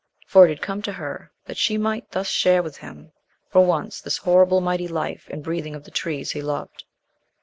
For it had come to her that she might thus share with him for once this horrible mighty life and breathing of the trees he loved.